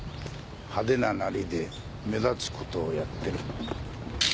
派手なナリで目立つことをやってる。